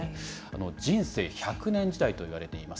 人生１００年時代といわれています。